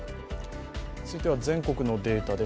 続いては全国のデータです。